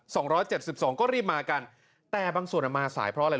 สองร้อยเจ็ดสิบสองก็รีบมากันแต่บางส่วนอ่ะมาสายเพราะอะไร